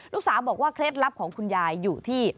ลูกสาวบอกว่าเคล็ดลับของคุณยายอยู่ที่